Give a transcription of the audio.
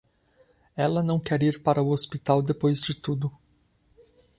Ela não quer ir para o hospital depois de tudo.